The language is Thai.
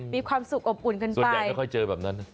ส่วนใหญ่ไม่ค่อยเจอแบบนั้น